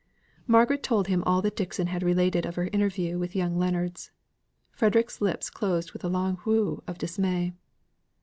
Margaret told him all that Dixon had related of her interview with young Leonards. Frederick's lips closed with a long whew of dismay.